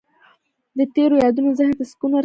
د تېرو یادونه ذهن ته سکون ورکوي.